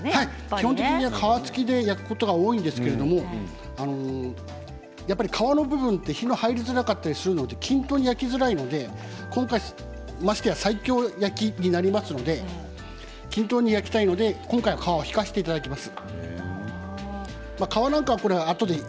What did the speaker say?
基本的には皮付きで焼くことが多いんですけれどもやっぱり皮の部分は火が入りづらかったりするので均等に焼きづらいのでましてや今回西京焼きになりますので均等に焼きたいので皮を引かせていただきます。